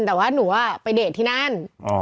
แต่ว่าหนูไปเดทที่นั่น